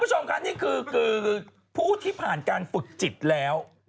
พุทธกรรมนักศักดิ์ถูกตลอดเลยอะ